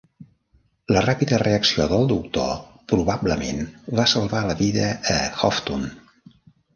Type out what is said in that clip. La ràpida reacció del doctor probablement va salvar la vida a Hoftun.